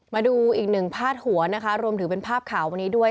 มาดูอีกหนึ่งพาดหัวนะคะรวมถึงเป็นภาพข่าววันนี้ด้วย